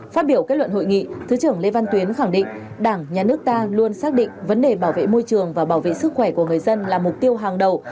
phát biểu kết luận hội nghị thứ trưởng lê văn tuyến khẳng định đảng nhà nước ta luôn xác định vấn đề bảo vệ môi trường và bảo vệ sức khỏe của người dân là mục tiêu hàng đầu